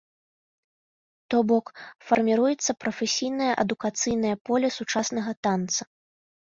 То бок, фарміруецца прафесійнае, адукацыйнае поле сучаснага танца.